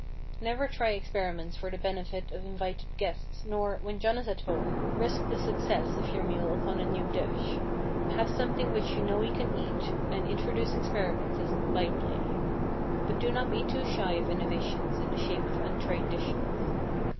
Never try experiments for the benefit of invited guests nor, when John is at home, risk the success of your meal upon a new dish. Have something which you know he can eat, and introduce experiments as by play. But do not be too shy of innovations in the shape of untried dishes.